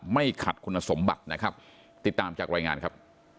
ไม่ขัดคุณสมบัตินะครับติดตามจากรายงานครับ